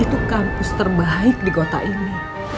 itu kampus terbaik di kota ini